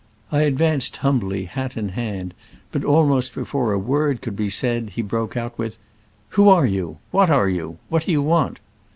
I advanced humbly, hat in hand, but almost before a word could be said, he broke out with, *' Who are you ? What are you ? What do you want?"